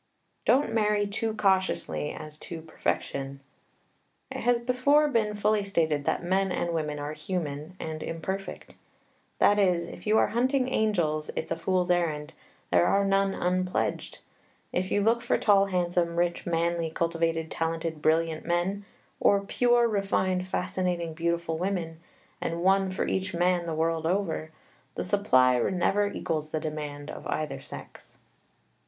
Don't marry too cautiously as to perfection. It has before been fully stated that men and women are human, and imperfect. That is, if you are hunting angels it's a fool's errand; there are none unpledged. If you look for tall, handsome, rich, manly, cultivated, talented, brilliant men, or pure, refined, fascinating, beautiful women, and one for each man the world over, the supply never equals the demand of either sex.